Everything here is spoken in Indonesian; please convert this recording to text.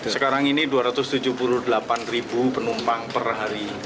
sekarang ini dua ratus tujuh puluh delapan penumpang perhari